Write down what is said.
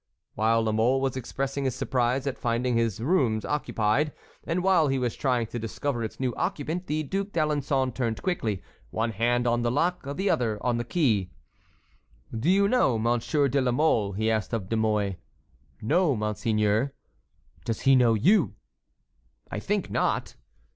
While La Mole was expressing his surprise at finding his room occupied, and while he was trying to discover its new occupant, the Duc d'Alençon turned quickly, one hand on the lock, the other on the key. "Do you know Monsieur de la Mole?" he asked of De Mouy. "No, monseigneur." "Does he know you?" "I think not."